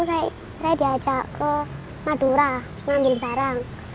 saya diajak ke madura ngambil barang